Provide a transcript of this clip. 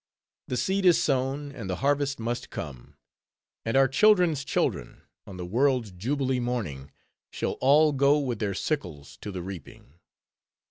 The seed is sown, and the harvest must come; and our children's children, on the world's jubilee morning, shall all go with their sickles to the reaping.